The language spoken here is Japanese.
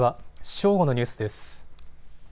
正午のニュースです。